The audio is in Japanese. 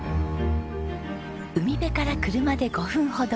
海辺から車で５分ほど。